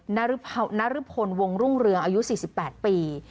นรพลวงรุ่งเรืองอายุ๔๘ปี